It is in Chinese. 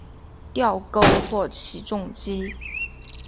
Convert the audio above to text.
吊钩或起重机。